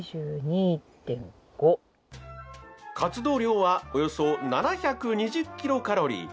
活動量はおよそ７２０キロカロリー。